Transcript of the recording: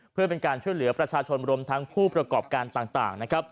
เพื่อเป็นการเชื่อเหลือประชาชนหมดรวมทางผู้ประกอบการต่าง